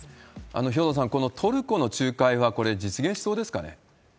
兵頭さん、このトルコの仲介は、これ、実現しそうですかね？